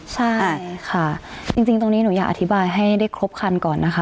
ใช่ค่ะจริงตรงนี้หนูอยากอธิบายให้ได้ครบคันก่อนนะคะ